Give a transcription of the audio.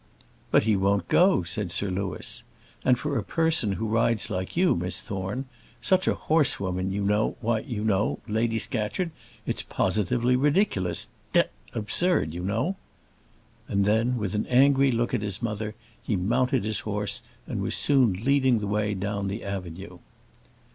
"But he won't go," said Sir Louis. "And for a person who rides like you, Miss Thorne such a horsewoman you know why, you know, Lady Scatcherd, it's positively ridiculous; d absurd, you know." And then, with an angry look at his mother, he mounted his horse, and was soon leading the way down the avenue.